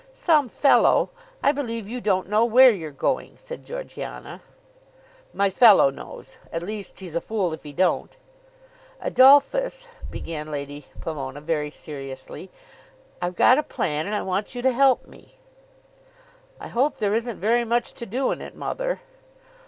"Some fellow! I believe you don't know where you're going," said Georgiana. "My fellow knows. At least he's a fool if he don't." "Adolphus," began Lady Pomona very seriously, "I've got a plan and I want you to help me." "I hope there isn't very much to do in it, mother."